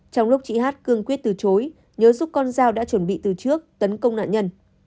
trong lúc chị hát cương quyết từ chối nhớ giúp con dao đã chuẩn bị từ trước tấn công nạn nhân